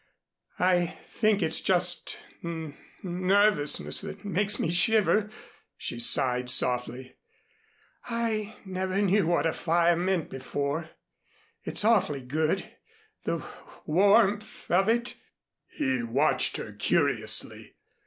I think it's just n nervousness that makes me shiver," she sighed softly. "I never knew what a fire meant before. It's awfully good the w warmth of it." He watched her curiously.